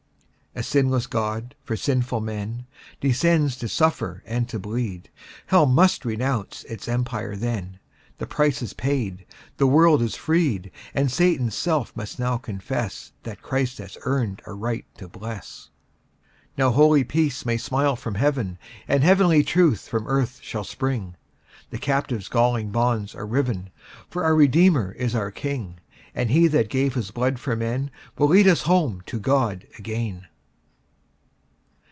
A sinless God, for sinful men, Descends to suffer and to bleed; Hell MUST renounce its empire then; The price is paid, the world is freed, And Satan's self must now confess That Christ has earned a RIGHT to bless: Now holy Peace may smile from heaven, And heavenly Truth from earth shall spring: The captive's galling bonds are riven, For our Redeemer is our king; And He that gave his blood for men Will lead us home to God again.